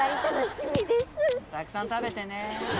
たくさん食べてね。